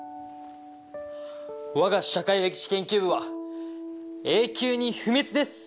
わが社会歴史研究部は永久に不滅です！